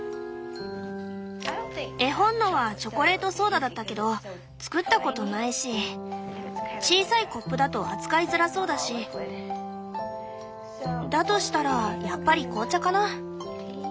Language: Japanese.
絵本のはチョコレートソーダだったけど作ったことないし小さいコップだと扱いづらそうだしだとしたらやっぱり紅茶かな。